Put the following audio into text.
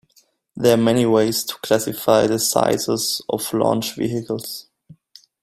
There are many ways to classify the sizes of launch vehicles.